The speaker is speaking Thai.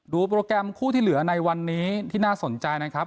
โปรแกรมคู่ที่เหลือในวันนี้ที่น่าสนใจนะครับ